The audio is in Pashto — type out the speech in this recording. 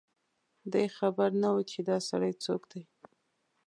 دی خبر نه و چي دا سړی څوک دی